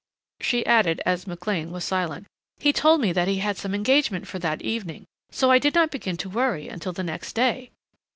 She added as McLean was silent, "He told me that he had some engagement for that evening, so I did not begin to worry until the next day."